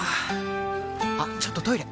あっちょっとトイレ！